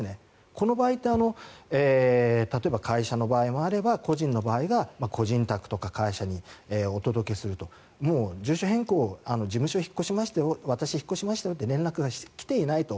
この場合って例えば会社の場合もあれば個人の場合は個人宅とか会社にお届けすると住所変更、事務所引っ越しました私引っ越しましたよという連絡が来ていないと。